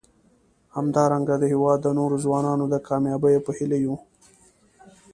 همدارنګه د هیواد د نورو ځوانانو د کامیابیو په هیله یو.